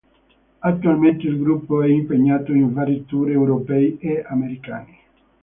Attualmente il gruppo è impegnato in vari tour europei e americani.